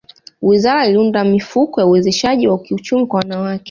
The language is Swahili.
wizara liunda mifuko ya uwezeshwaji wa kiuchumi kwa wanawake